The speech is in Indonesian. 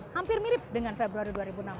hampir mirip dengan februari dua ribu enam belas